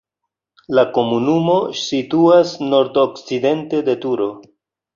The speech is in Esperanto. La komunumo situas nordokcidente de Turo.